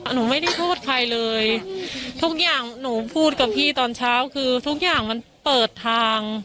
หนูไม่ได้โทษใครเลยทุกอย่างหนูพูดกับพี่ตอนเช้าคือทุกอย่างมันเปิดทาง